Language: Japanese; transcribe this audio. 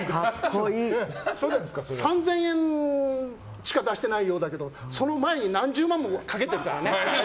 ３０００円しか出してないようだけどその前に何十万もかけてるからね。